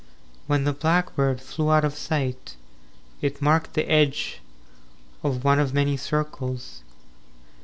IX When the blackbird flew out of sight, It marked the edge Of one of many circles.